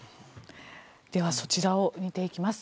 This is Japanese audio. では、そちらを見ていきます。